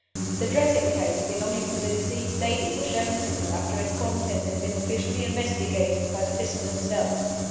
The dressing case belonging to the deceased lady was shown to me after its contents had been officially investigated by the Fiscal himself.